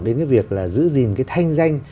đến cái việc là giữ gìn cái thanh danh